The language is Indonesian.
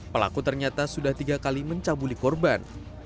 pelaku ternyata sudah tiga kali mencabuli korban